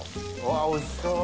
わおいしそう。